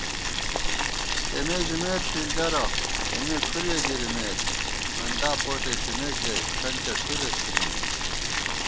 تېمےژِمېت فِلڈَرہ ، اېمے کھُرے گِرِمېت * مندا پوٹےݪِمېکژَئی کھنٹِیَہ ڄُھرےڅِھنِمېت